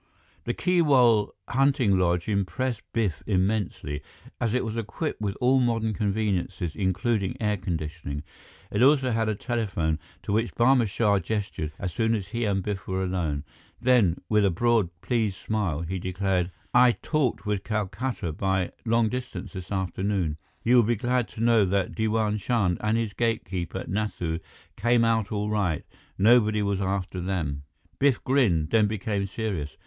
The Keewal hunting lodge impressed Biff immensely, as it was equipped with all modern conveniences including air conditioning. It also had a telephone, to which Barma Shah gestured, as soon as he and Biff were alone. Then, with a broad, pleased smile, he declared: "I talked with Calcutta by long distance this afternoon. You will be glad to know that Diwan Chand and his gatekeeper, Nathu, came out all right. Nobody was after them." Biff grinned, then became serious.